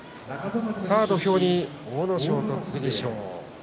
土俵に阿武咲と剣翔です。